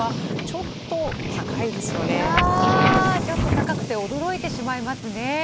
ちょっと高くて驚いてしまいますね。